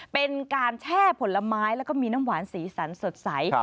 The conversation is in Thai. เป็นการแช่ผลไม้แล้วก็มีน้ำหวานสีสันสดใส